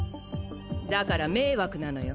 だから迷惑なのよ。